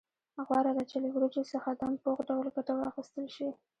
غوره ده چې له وریجو څخه دم پوخ ډول ګټه واخیستل شي.